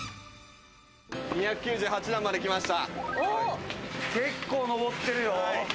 ２９８段まで来ました。